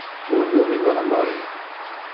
Ur numin ara Mary.